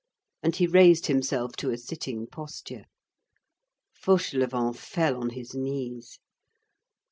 And he raised himself to a sitting posture. Fauchelevent fell on his knees.